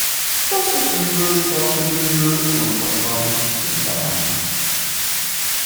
Das ist übel sprach der Dübel und verschwand in der Wand.